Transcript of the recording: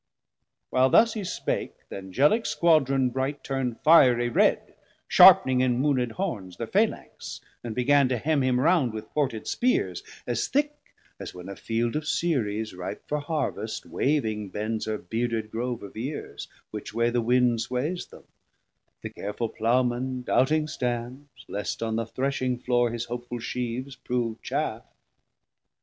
While thus he spake, th' Angelic Squadron bright Turnd fierie red, sharpning in mooned hornes Thir Phalanx, and began to hemm him round With ported Spears, as thick as when a field 980 Of Ceres ripe for harvest waving bends Her bearded Grove of ears, which way the wind Swayes them; the careful Plowman doubting stands Least on the threshing floore his hopeful sheaves Prove chaff.